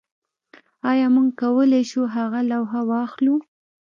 ایا موږ کولی شو هغه لوحه واخلو